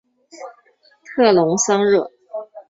特龙桑热。